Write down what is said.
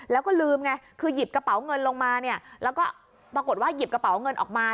แล้วก็ลืมไงคือหยิบกระเป๋าเงินลงมาเนี่ยแล้วก็ปรากฏว่าหยิบกระเป๋าเงินออกมา